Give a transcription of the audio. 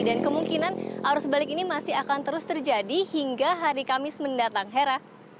dan kemungkinan arus balik ini masih akan terus terjadi hingga hari kamis mendatang hera